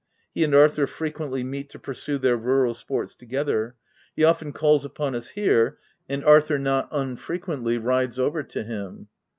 He and Arthur frequently meet to pursue their rural sports together : he often calls upon us here, and Arthur not unfrequently rides over to him.